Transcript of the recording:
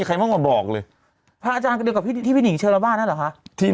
หลวงพ่อพระราชัยพอก่อนก็ศักดิ์ภาคนี้